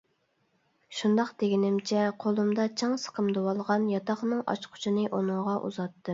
شۇنداق دېگىنىمچە قولۇمدا چىڭ سىقىمدىۋالغان ياتاقنىڭ ئاچقۇچىنى ئۇنىڭغا ئۇزاتتىم.